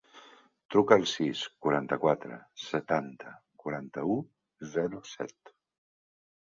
Truca al sis, quaranta-quatre, setanta, quaranta-u, zero, set.